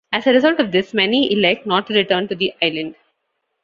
As a result of this, many elect not to return to the island.